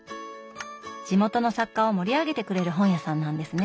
地元の作家を盛り上げてくれる本屋さんなんですね。